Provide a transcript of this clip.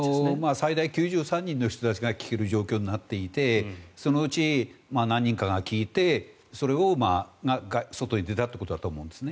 最大９３人の人たちが聞ける状況になっていてそのうち何人かが聞いてそれが外に出たっていうことだと思うんですね。